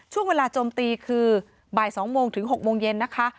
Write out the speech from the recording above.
ช่วงเวลาโจมตีคือบ่าย๒โมงถึง๖โมงเย็นนะคะ